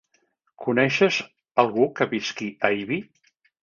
Coneixes algú que visqui a Ibi?